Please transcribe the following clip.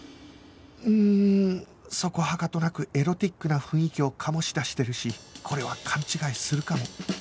うーんそこはかとなくエロチックな雰囲気を醸し出してるしこれは勘違いするかも